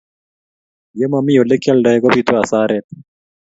ye mami ole kialdae ko bitu asaret